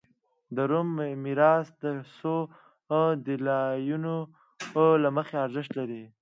د روم میراث د څو دلایلو له مخې ارزښت لري